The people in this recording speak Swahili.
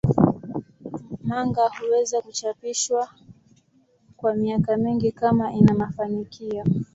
Manga huweza kuchapishwa kwa miaka mingi kama ina mafanikio.